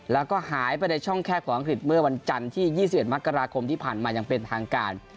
แล้วก็หายไปในช่องแคบของอังกฤษเมื่อวันจันทร์ที่๒๑มกราคมที่ผ่านมาอย่างเป็นทางการ